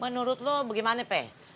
menurut lo gimana peh